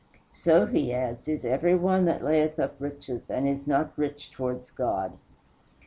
"So," he adds, "is every one that layeth up riches, and is not rich towards God."